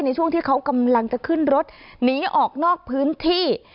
ในช่วงที่เขากำลังจะขึ้นรถหนีออกนอกพื้นที่